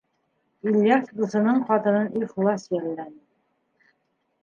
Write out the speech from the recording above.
Ильяс дуҫының ҡатынын ихлас йәлләне.